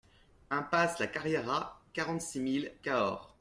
Impasse la Carriera, quarante-six mille Cahors